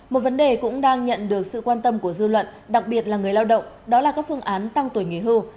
một vấn đề cũng đang nhận được sự quan tâm của dư luận đặc biệt là người lao động đó là các phương án tăng tuổi nghỉ hưu